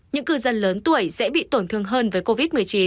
những cư dân lớn tuổi dễ bị tổn thương hơn với covid một mươi chín